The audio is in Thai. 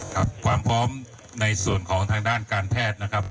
ความพร้อมในส่วนของทางด้านการแพทย์นะครับ